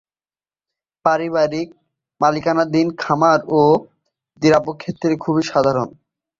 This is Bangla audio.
পারিবারিক মালিকানাধীন খামার ও দ্রাক্ষাক্ষেত্র খুবই সাধারণ।